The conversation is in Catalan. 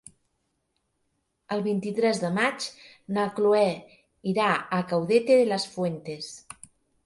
El vint-i-tres de maig na Cloè irà a Caudete de las Fuentes.